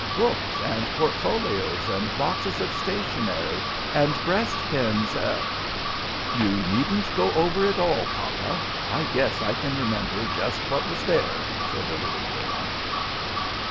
Books, and portfolios, and boxes of stationery, and breastpins "You needn't go over it all, papa; I guess I can remember just what was there," said the little girl.